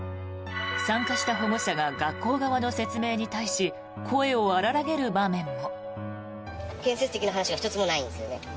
参加した保護者が学校側の説明に対し声を荒らげる場面も。